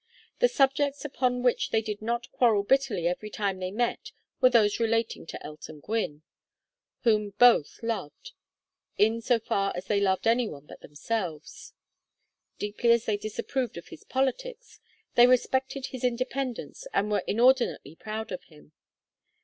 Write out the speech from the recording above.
The subjects upon which they did not quarrel bitterly every time they met were those relating to Elton Gwynne, whom both loved, in so far as they loved any one but themselves. Deeply as they disapproved of his politics, they respected his independence and were inordinately proud of him.